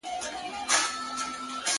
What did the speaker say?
ساقي نه وي یاران نه وي رباب نه وي او چنګ وي,